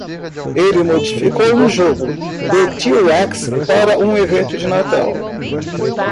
Ele modificou um jogo de t-rex para um evento de Natal.